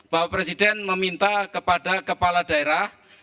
bapak presiden meminta kepada kepala daerah